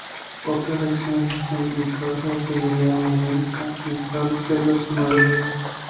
Otras secciones están dedicadas a joyería, mayólica, cristal, telas y mobiliario.